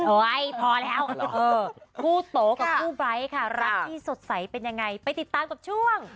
เฮ้ยพอแล้วคู่โตกับคู่ไบท์ค่ะรักที่สดใสเป็นยังไงไปติดตามกับช่วง